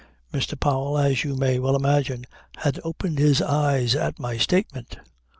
Mr. Powell as you may well imagine had opened his eyes at my statement.